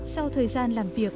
sau thời gian làm việc